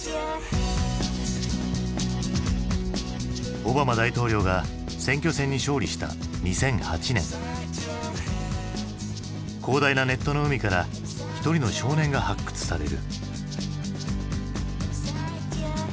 オバマ大統領が選挙戦に勝利した２００８年広大なネットの海から一人の少年が発掘される。